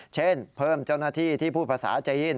เช่นเพิ่มเจ้าหน้าที่ที่พูดภาษาจีน